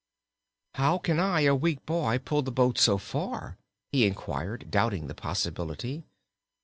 "How can I, a weak boy, pull the boat so far?" he inquired, doubting the possibility.